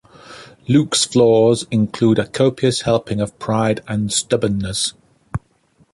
Luke's flaws include a copious helping of pride and stubbornness.